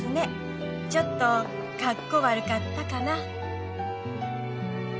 ちょっと格好悪かったかな」。